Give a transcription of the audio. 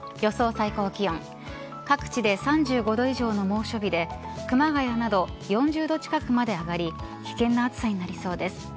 最高気温各地で３５度以上の猛暑日で熊谷など４０度近くまで上がり危険な暑さになりそうです。